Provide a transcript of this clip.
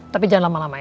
tapi jangan lama lama ya